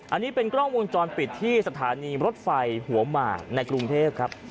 อันนี้เป็นกล้องวงจรปิดที่สถานีรถไฟหัวหมากในกรุงเทพครับ